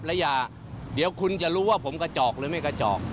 และอย่าเดี๋ยวคุณจะรู้ว่าผมกระจอกหรือไม่กระจอก